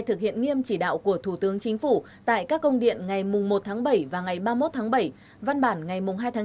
thực hiện nghiêm chỉ đạo của thủ tướng chính phủ tại các công điện ngày một bảy và ba mươi một bảy văn bản ngày hai tám